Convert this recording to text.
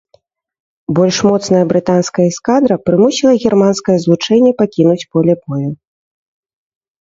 Больш моцная брытанская эскадра прымусіла германскае злучэнне пакінуць поле бою.